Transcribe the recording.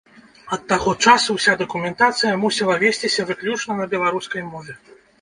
Ад таго часу ўся дакументацыя мусіла весціся выключна на беларускай мове.